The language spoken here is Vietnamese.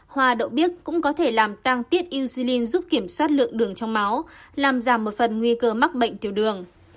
hoa đậu biếc cũng có thể làm tăng tiết ucin giúp kiểm soát lượng đường trong máu làm giảm một phần nguy cơ mắc bệnh tiểu đường